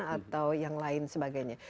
atau yang lain sebagainya